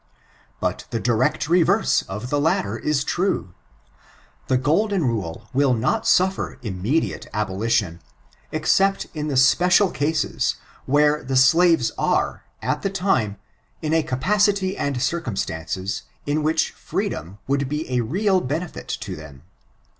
But the direct reverse of the latter is true. The Golden rule will not sofibr inunediate abolition, except in the special cases, where the slaves are, at the time, in a capacity and circumstances in which freedom would be a real benefit to theno.